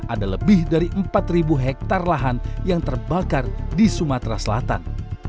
ada lebih dari empat hektare lahan yang terbakar di sumatera selatan